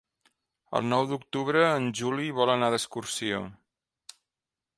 El nou d'octubre en Juli vol anar d'excursió.